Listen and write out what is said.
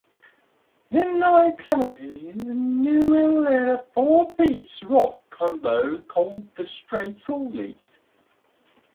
In the late seventies, Newell led a four-piece rock combo called The Stray Trolleys.